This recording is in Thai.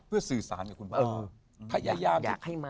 เพื่อสื่อสารกับคุณพ่อ